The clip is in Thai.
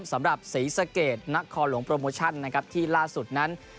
สำหรับศรีสะเกดนครหลวงโปรโมชั่นนะครับที่ล่าสุดนั้น